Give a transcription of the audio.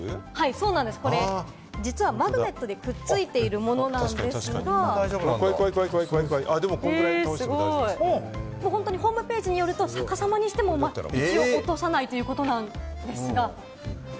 そうなんです、マグネットでくっついているものなんですが、ホームページによると、逆さまにしても落とさないということなんですが。